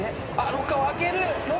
ロッカーを開けた。